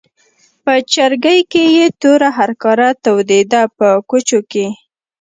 په چرګۍ کې یې توره هرکاره تودېده په کوچو کې.